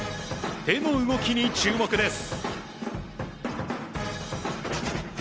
手の動きに注目です。